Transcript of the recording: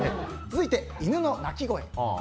続いて、犬の鳴き声。